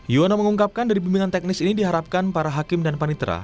yono mengungkapkan dari pimpinan teknis ini diharapkan para hakim dan panitra